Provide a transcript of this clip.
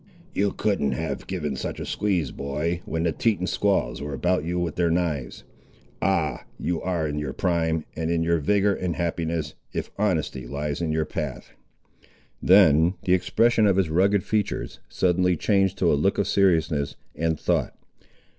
"You couldn't have given such a squeeze, boy, when the Teton squaws were about you with their knives! Ah! you are in your prime, and in your vigour and happiness, if honesty lies in your path." Then the expression of his rugged features suddenly changed to a look of seriousness and thought.